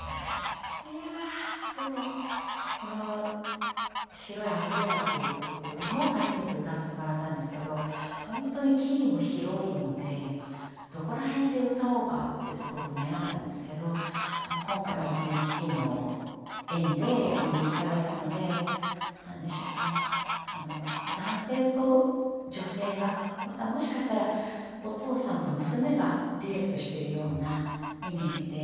いやでもこの「白いアンブレラ」っていう曲も初めて歌わせてもらったんですけどほんとにキーも広いのでどこら辺で歌おうかってすごく悩んだんですけど今回はその父の縁で呼んでいただいたので何でしょうねその男性と女性がまたもしかしたらお父さんと娘がデュエットしてるようなイメージで。